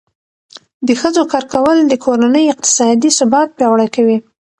د ښځو کار کول د کورنۍ اقتصادي ثبات پیاوړی کوي.